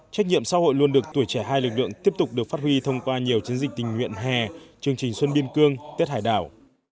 trách nhiệm xã hội luôn được tuổi trẻ hai lực lượng tiếp tục được phát huy thông qua nhiều chiến dịch tình nguyện hè chương trình xuân biên cương tết hải đảo